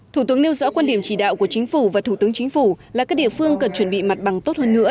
thủ tướng nêu rõ quan điểm chỉ đạo của chính phủ và thủ tướng chính phủ là các địa phương cần chuẩn bị mặt bằng tốt hơn nữa